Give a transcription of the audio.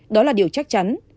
đó là điều chắc chắn